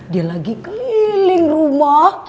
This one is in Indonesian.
dia lagi keliling rumah